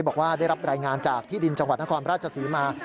บอกว่าได้รับรายงานจากที่ดินจังหวัดนครราชศรีมา